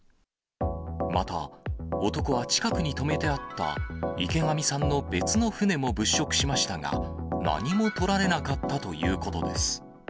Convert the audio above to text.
また、男は近くに泊めてあった池上さんの別の船も物色しましたが、何もとられなかったということです。